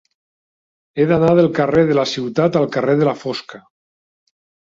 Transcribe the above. He d'anar del carrer de la Ciutat al carrer de la Fosca.